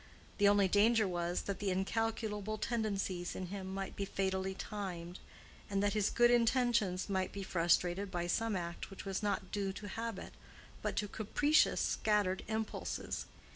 The only danger was, that the incalculable tendencies in him might be fatally timed, and that his good intentions might be frustrated by some act which was not due to habit but to capricious, scattered impulses.